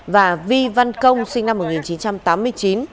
và vi văn kiều sinh năm một nghìn chín trăm tám mươi bốn